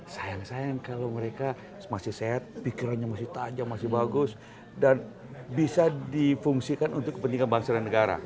sayang sayang kalau mereka masih sehat pikirannya masih tajam masih bagus dan bisa difungsikan untuk kepentingan bangsa dan negara